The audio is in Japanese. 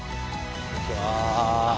こんにちは。